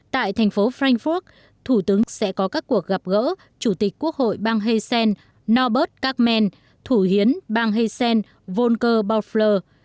tại thành phố frankfurt thủ tướng sẽ có các cuộc gặp gỡ chủ tịch quốc hội bang heysen norbert karmann thủ hiến bang heysen volker baufler